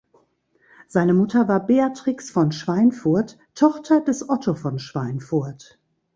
Seine Mutter war Beatrix von Schweinfurt, Tochter des Otto von Schweinfurt.